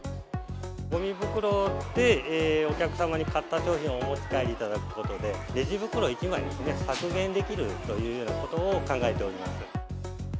ごみ袋でお客様に買った商品をお持ち帰りいただくことで、レジ袋１枚削減できるというようなことを考えております。